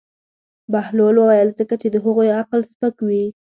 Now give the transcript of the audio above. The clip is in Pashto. بهلول وویل: ځکه چې د هغوی عقل سپک وي.